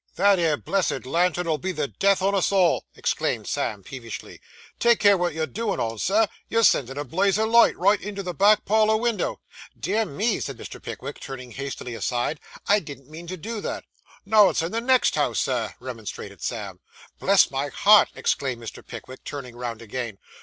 'That 'ere blessed lantern 'ull be the death on us all,' exclaimed Sam peevishly. 'Take care wot you're a doin' on, sir; you're a sendin' a blaze o' light, right into the back parlour winder.' 'Dear me!' said Mr. Pickwick, turning hastily aside, 'I didn't mean to do that.' 'Now, it's in the next house, sir,' remonstrated Sam. 'Bless my heart!' exclaimed Mr. Pickwick, turning round again.